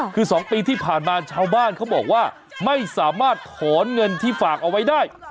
คือ๒ปีที่ผ่านมาชาวบ้านเขาบอกว่าไม่สามารถถอนเงินที่ฝากเอาไว้ได้